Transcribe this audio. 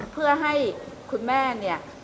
เพื่อให้คุณแม่เนี่ย